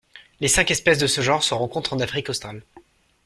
Les cinq espèces de ce genre se rencontrent en Afrique australe.